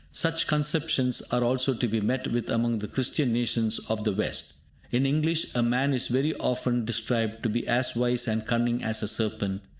Such conceptions are also to be met with among the Christian nations of the West. In English a man is very often described to be as wise and cunning as a serpent.